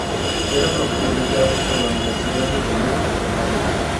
Era profesor de "jazz" en la Universidad de Toledo, Ohio.